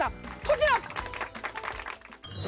こちら！